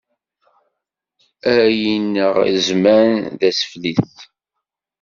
Ay ineɣ zman, d asfel-is.